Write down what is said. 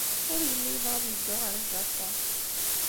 Ur yelli yebɣa ad yeddu ɣer Japun.